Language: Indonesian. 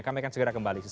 kami akan segera kembali